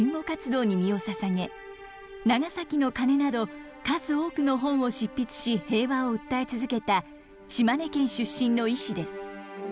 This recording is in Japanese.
「長崎の鐘」など数多くの本を執筆し平和を訴え続けた島根県出身の医師です。